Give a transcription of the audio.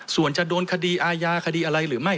ส่วนจะโดนคดีอาญาคดีอะไรหรือไม่